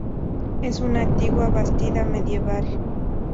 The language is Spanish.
Es una antigua bastida medieval